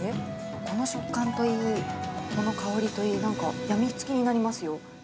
この食感といい、この香りといい、なんか病みつきになりますよ。